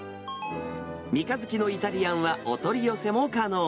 みかづきのイタリアンは、お取り寄せも可能。